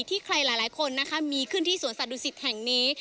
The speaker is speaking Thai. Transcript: ที่ใครหลายคนนะคะมีขึ้นที่สวนสัตวศิษย์แห่งนี้